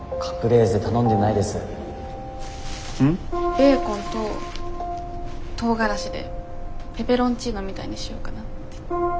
ベーコンととうがらしでペペロンチーノみたいにしようかなって。